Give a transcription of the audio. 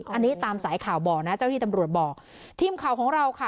อันนี้ตามสายข่าวบอกนะเจ้าที่ตำรวจบอกทีมข่าวของเราค่ะ